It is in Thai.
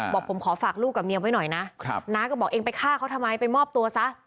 บอกผมขอฝากลูกกับเมียไว้หน่อยนะน้าก็บอกเองไปฆ่าเขาทำไมไปมอบตัวซะ